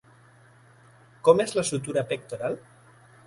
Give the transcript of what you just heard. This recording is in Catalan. Com és la sutura pectoral?